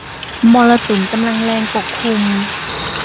มรสุมกำลังแรงปกคลุม